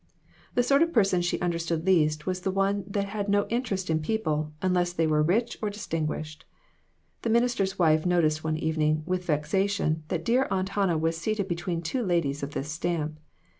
The sort of person she understood least was one who had no interest in people, unless they were rich or dis tinguished. The minister's wife noticed one evening, with vexation, that dear Aunt Hannah was seated between two ladies of this stamp.